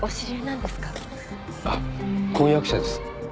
あっ婚約者です。